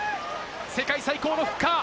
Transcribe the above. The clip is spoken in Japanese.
世界最高のフッカー。